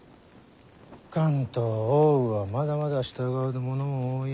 関東奥羽はまだまだ従わぬ者も多い。